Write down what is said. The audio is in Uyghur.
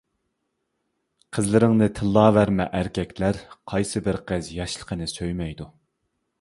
قىزلىرىڭنى تىللاۋەرمە ئەركەكلەر، قايسى بىر قىز ياشلىقىنى سۆيمەيدۇ؟ !